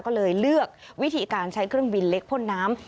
ก็เลยเลือกวิธีการใช้เครื่องบินเล็กพ่นน้ำ